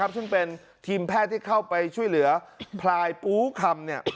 ซึ่งเป็นทีมแพทย์ที่เข้าไปช่วยเหลือพลายปูคำ